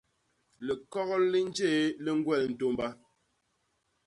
Likok li njé li ñgwel ntômba.